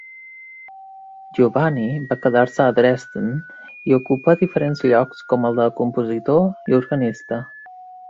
Giovanni va quedar-se a Dresden i ocupà diferents llocs com els de compositor i organista.